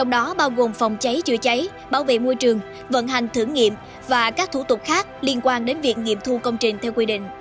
đó bao gồm phòng cháy chữa cháy bảo vệ môi trường vận hành thử nghiệm và các thủ tục khác liên quan đến việc nghiệm thu công trình theo quy định